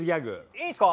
いいんすか？